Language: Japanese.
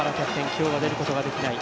今日は出ることはできない。